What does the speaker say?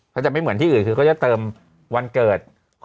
จะไม่เหมือนที่อื่นคือเขาจะเติมวันเกิด